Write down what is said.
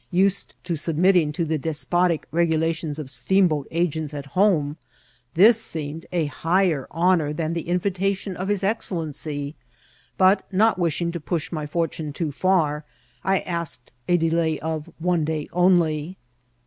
Used to submitting to the despotic regulations of steam boat agents at home, this seemed a higher honour than the invitation of his excellency; but, not wishing to push my fortune too far, I asked a delay of one day only.